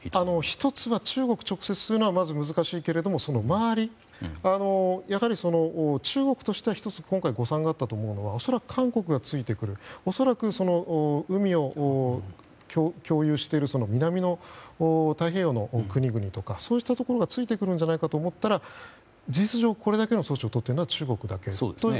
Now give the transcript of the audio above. １つは中国に直接というのはまず難しいけれども周り、中国としては今回１つ誤算だったと思うのは恐らく、韓国がついてくる恐らく海を共有している南の太平洋の国々とかそうしたところがついてくると思ったら事実上、これだけの措置を取っているのは中国だけと。